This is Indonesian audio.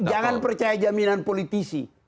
jangan percaya jaminan politisi